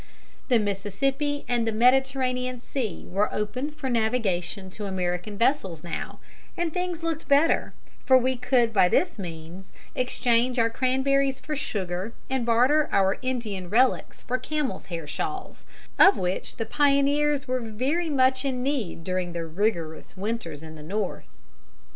The Mississippi and the Mediterranean Sea were opened for navigation to American vessels now, and things looked better, for we could by this means exchange our cranberries for sugar and barter our Indian relics for camel's hair shawls, of which the pioneers were very much in need during the rigorous winters in the North.